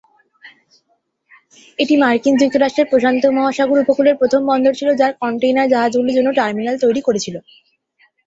এটি মার্কিন যুক্তরাষ্ট্রের প্রশান্ত মহাসাগর উপকূলের প্রথম প্রধান বন্দর ছিল যা কন্টেইনার জাহাজগুলির জন্য টার্মিনাল তৈরি করেছিল।